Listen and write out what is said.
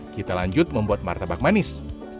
kita lanjut membuat martabak manis